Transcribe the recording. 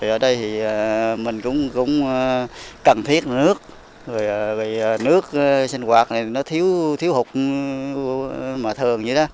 ở đây mình cũng cần thiết nước nước sinh hoạt này nó thiếu hụt mà thường như đó